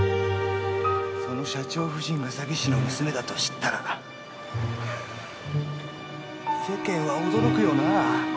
その社長夫人が詐欺師の娘だと知ったら世間は驚くよなぁ。